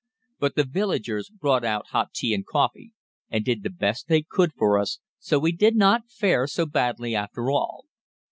But the villagers brought out hot tea and coffee, and did the best they could for us, so we did not fare so badly after all.